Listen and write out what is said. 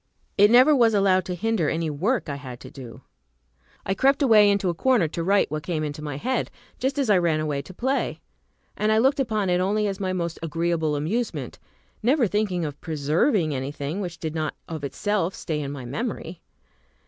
It never was allowed to hinder any work I had to do. I crept away into a corner to write what came into my head, just as I ran away to play; and I looked upon it only as my most agreeable amusement, never thinking of preserving anything which did not of itself stay in my memory.